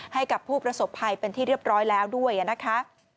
ให้กับผู้ประสบภัยเป็นที่เรียบร้อยแล้วด้วยนะคะ